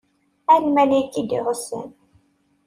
A lmalayek d-iɛussen.